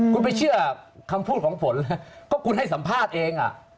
คุณไปเชื่อคำพูดของฝนก็คุณให้สัมภาษณ์เอง